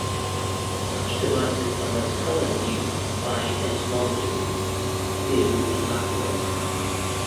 Such devices are most commonly used by entomologists for field and lab work.